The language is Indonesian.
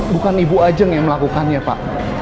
bukan ibu ajeng yang melakukannya pak